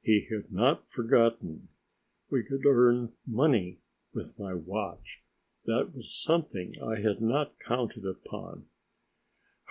He had not forgotten! We could earn money with my watch! That was something I had not counted upon.